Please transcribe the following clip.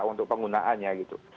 untuk penggunaannya gitu